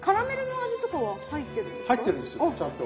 入ってるんですちゃんと。